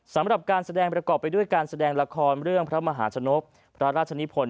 สำหรับการแสดงประกอบไปด้วยการแสดงละครเรื่องพระมหาชนกพระราชนิพล